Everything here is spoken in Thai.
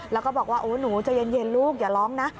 แล้วก็บอกว่าโอ้หนูใจเย็นลูกอย่าร้องนะ